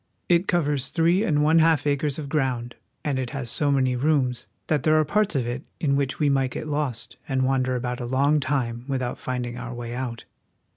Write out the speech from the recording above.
It covers three and one half acres of ground, and it has so many rooms that there are parts of it in which we might get lost and wander about a long time without finding our way out.